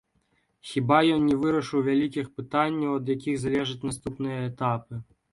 Хіба ён не вырашыў вялікіх пытанняў, ад якіх залежаць наступныя этапы?